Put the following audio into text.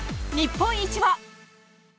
日本一は？